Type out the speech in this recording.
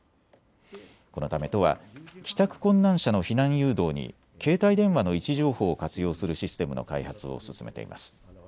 このため都は帰宅困難者の避難誘導に携帯電話の位置情報を活用するシステムの開発を進めています。